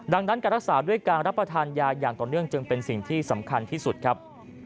ดังนั้นการรักษาด้วยการรับประทานยาอย่างต่อเนื่องจึงเป็นสิ่งที่สำคัญที่สุดครับ